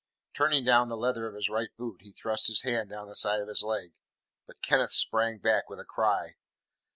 Turning down the leather of his right boot, he thrust his hand down the side of his leg. But Kenneth sprang back with a cry.